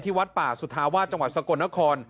วัดป่าสุธาวาสจังหวัดสกลนคร